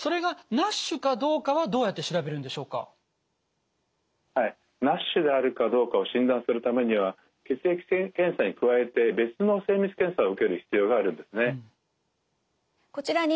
ＮＡＳＨであるかどうかを診断するためには血液検査に加えて別の精密検査を受ける必要があるんです。